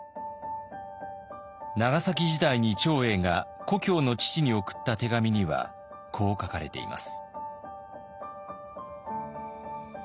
長崎時代に長英が故郷の父に送った手紙にはこう書かれています。